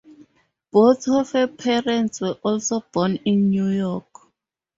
Both of her parents were also born in New York.